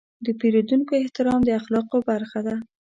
د پیرودونکو احترام د اخلاقو برخه ده.